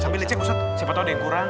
sambil dicek usut siapa tau ada yang kurang